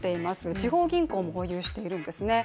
地方銀行も保有しているんですね。